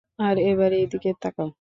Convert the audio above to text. আর এবার এই দিকে।